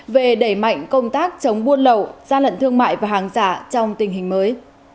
về đẩy mạnh công tác chống buôn lậu gian lận thương mại và hàng giả trong tình hình mới